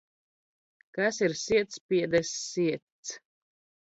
Kas ir sietspiedes siets?